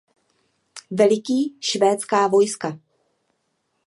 Veliký švédská vojska.